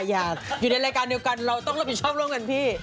อย่าอยู่ในรายการเดียวกันเราต้องเป็นพี่ชอบพี่